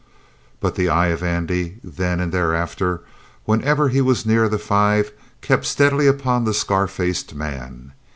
But the eye of Andy, then and thereafter, whenever he was near the five, kept steadily upon the scar faced man.